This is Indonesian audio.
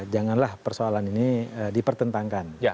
janganlah persoalan ini dipertentangkan